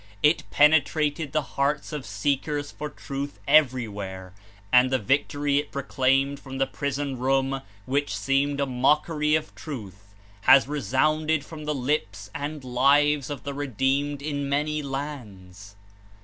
It penetrated the hearts of seekers for truth everywhere, and the victory it proclaimed from the prison room, which seemed a mockery of truth, has resounded from the lips and lives of the redeemed in many lands.